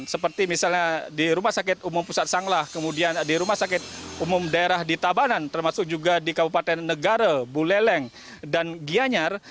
seperti misalnya di rumah sakit umum pusat sanglah kemudian di rumah sakit umum daerah di tabanan termasuk juga di kabupaten negara buleleng dan gianyar